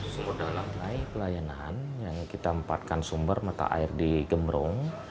sebuah perlengkapan suju sumber dalam dan lain pelayanan yang kita empatkan sumber mata air di gemerung